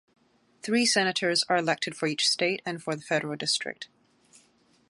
Three senators are elected for each state and for the Federal District.